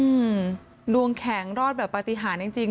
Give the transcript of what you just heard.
อืมดวงแข็งรอดแบบปฏิหารจริงจริง